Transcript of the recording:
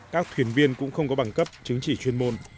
các thuyền viên cũng không có bằng cấp chứng chỉ chuyên môn